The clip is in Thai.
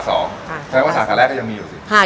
แสดงว่าสาขาแรกก็ยังมีอยู่สิ